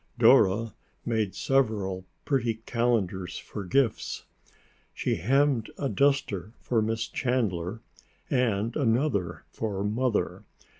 Dora made several pretty calendars for gifts. She hemmed a duster for Miss Chandler and another for Mother.